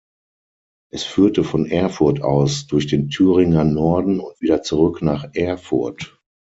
Es führte von Erfurt aus durch den Thüringer Norden und wieder zurück nach Erfurt.